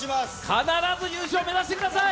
必ず優勝してください